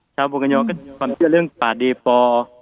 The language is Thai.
ชาวปกรณ์ยอมก็คือความเชื่อเรื่องป่าเดฟอร์